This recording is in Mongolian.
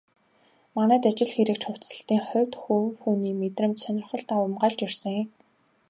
Манайд ажил хэрэгч хувцаслалтын хувьд хувь хүний мэдрэмж, сонирхол давамгайлж ирсэн.